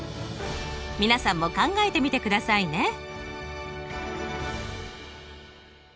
皆さんも考えてみてくださいね。